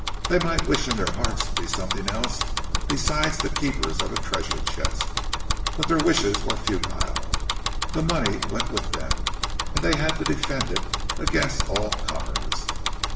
They might wish in their hearts to be something else besides the keepers of a treasure chest, but their wishes were futile; the money went with them, and they had to defend it against all comers.